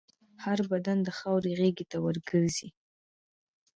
هر بدن د خاورې غېږ ته ورګرځي.